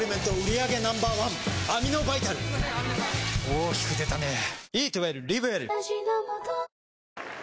大きく出たねぇ。